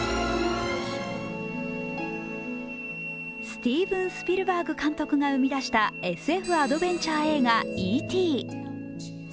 スティーヴン・スピルバーグ監督が生み出したＳＦアドベンチャー映画「Ｅ．Ｔ．」。